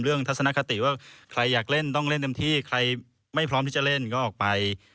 ทัศนคติว่าใครอยากเล่นต้องเล่นเต็มที่ใครไม่พร้อมที่จะเล่นก็ออกไป